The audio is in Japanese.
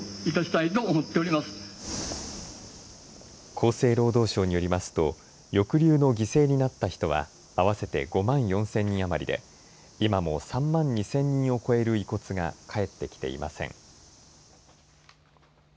厚生労働省によりますと抑留の犠牲になった人は合わせて５万４０００人余りで今も３万２０００人を超える遺骨が帰ってきていません。